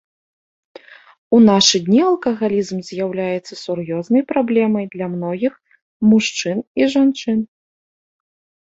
У нашы дні алкагалізм з'яўляецца сур'ёзнай праблемай для многіх мужчын і жанчын.